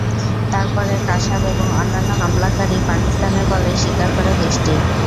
তবে পরে কাসাব এবং অন্যান্য হামলাকারী পাকিস্তানের বলেই স্বীকার করে দেশটি।